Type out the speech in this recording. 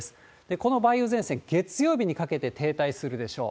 この梅雨前線、月曜日にかけて停滞するでしょう。